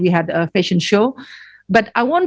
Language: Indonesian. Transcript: itulah sebabnya kemarin kami memiliki pakaian